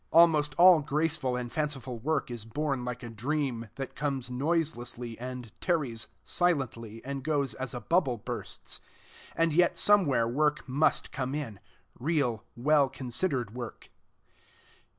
Almost all graceful and fanciful work is born like a dream, that comes noiselessly, and tarries silently, and goes as a bubble bursts. And yet somewhere work must come in, real, well considered work.